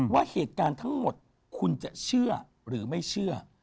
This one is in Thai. ว่าเหตุการณ์ทั้งหมดคุณจะเชื่อหรือไม่เชื่อ